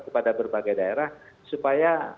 kepada berbagai daerah supaya